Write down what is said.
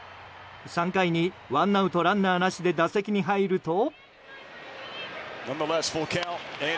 ３回にワンアウトランナーなしで打席に入ると。